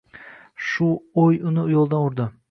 Shu o`y uni yo`ldan urdi